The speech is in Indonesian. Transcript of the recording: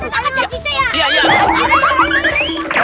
kita kejar kita kejar